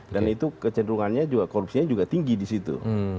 dan itu kecenderungannya juga korupsinya juga tinggi di situ